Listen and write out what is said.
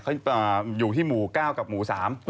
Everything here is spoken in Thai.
เขาอยู่ที่หมู่ก้าวกับหมู่สาม